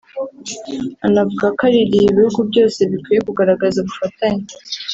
anavuga ko ari igihe ibihugu byose bikwiye kugaragaza ubufatanye